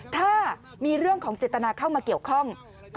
ถ้ามีเรื่องของเจตนาเข้ามาเกี่ยวข้อง